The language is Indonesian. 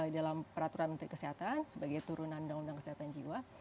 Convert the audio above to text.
dalam peraturan menteri kesehatan sebagai turunan undang undang kesehatan jiwa